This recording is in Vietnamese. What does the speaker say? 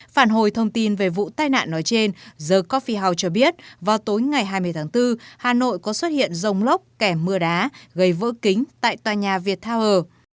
phản hồi thông tin về vụ tai nạn nói trên the coffee house cho biết vào tối ngày hai mươi tháng bốn hà nội có xuất hiện rồng lốc kẻ mưa đá gây vỡ kính tại tòa nhà viettower